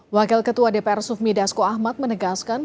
wakil ketua dpr sufmi dasko ahmad menegaskan